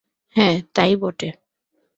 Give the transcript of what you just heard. হাঁ, তাই বটে।